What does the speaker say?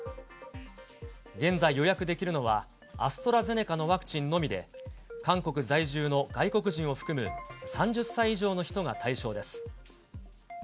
現在、予約できるのはアストラゼネカのワクチンのみで、韓国在住の外国人を含む３０歳以上の人が対象です。